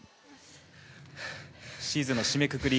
シーズンの締めくくり。